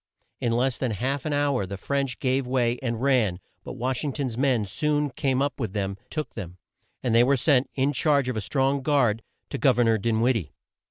In less than half an hour the French gave way, and ran, but Wash ing ton's men soon came up with them, took them, and they were sent, in charge of a strong guard, to Gov er nor Din wid die.